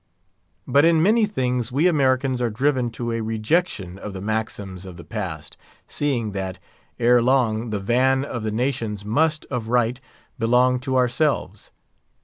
But in many things we Americans are driven to a rejection of the maxims of the Past, seeing that, ere long, the van of the nations must, of right, belong to ourselves.